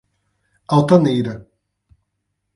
Altaneira